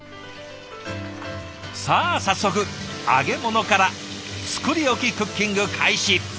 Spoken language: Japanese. さあ早速揚げ物から作り置きクッキング開始。